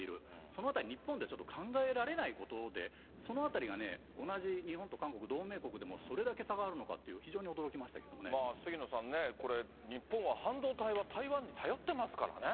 そのあたり、日本ではちょっと考えられないことで、そのあたりが同じ日本と韓国、同盟国でも、それだけ差があるのか杉野さんね、これ、日本は半導体は台湾に頼ってますからね。